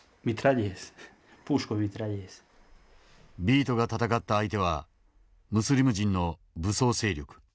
ヴィートが戦った相手はムスリム人の武装勢力。